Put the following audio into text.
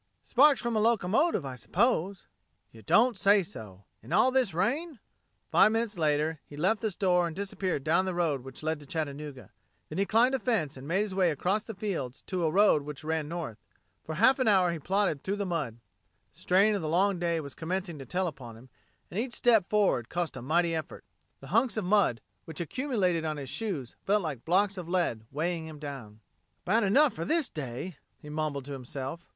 "Sparks from a locomotive, I suppose." "You don't say so in all this rain!" Five minutes later he left the store and disappeared down the road which led to Chattanooga. Then he climbed a fence and made his way across the fields to a road which ran north. For a half hour he plodded through the mud. The strain of the long day was commencing to tell upon him, and each step forward cost a mighty effort. The hunks of mud which accumulated on his shoes felt like blocks of lead weighing him down. "About enough for this day," he mumbled to himself.